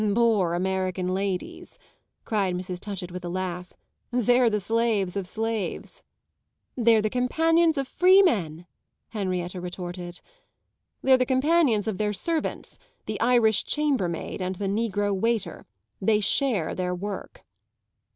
"Poor American ladies!" cried Mrs. Touchett with a laugh. "They're the slaves of slaves." "They're the companions of freemen," Henrietta retorted. "They're the companions of their servants the Irish chambermaid and the negro waiter. They share their work."